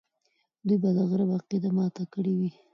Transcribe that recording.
دوی به د غرب عقیده ماته کړې وي.